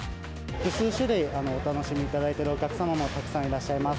複数種類、お楽しみいただいているお客様もたくさんいらっしゃいます。